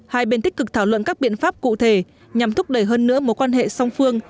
hai bên tích cực thảo luận các biện pháp cụ thể nhằm thúc đẩy hơn nữa mối quan hệ song phương